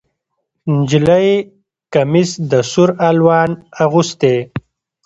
نجلۍ کمیس د سور الوان اغوستی